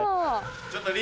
ちょっと。